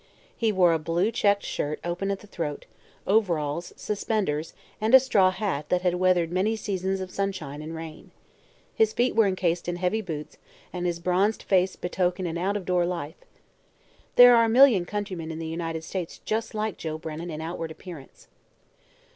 He wore a blue checked shirt open at the throat, overalls, suspenders and a straw hat that had weathered many seasons of sunshine and rain. His feet were encased in heavy boots and his bronzed face betokened an out of door life. There are a million countrymen in the United States just like Joe Brennan in outward appearance.